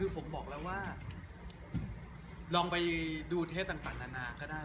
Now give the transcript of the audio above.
ผมบอกแล้วว่าลองเทปต่างต่างนานาคือได้